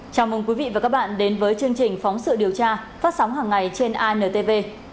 chào mừng quý vị và các bạn đến với chương trình phóng sự điều tra phát sóng hàng ngày trên intv